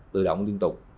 tự động liên tục